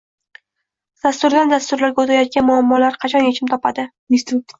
Dasturdan dasturlarga o‘tayotgan muammolar qachon yechim topadi?